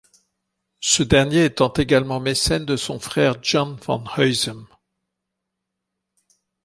Ce dernier étant également mécène de son frère Jan van Huysum.